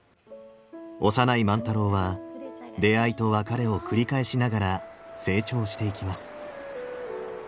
幼い万太郎は出会いと別れを繰り返しながら成長していきます。